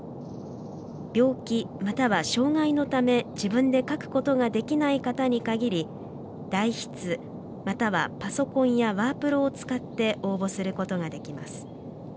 病気、または障害のため自分で書くことができない方に限り代筆、またはパソコンやワープロを使って応募することができます。